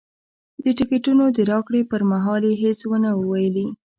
د ټکټونو د راکړې پر مهال یې هېڅ نه وو ویلي.